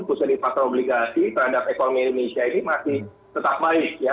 khususnya di pasar obligasi terhadap ekonomi indonesia ini masih tetap baik ya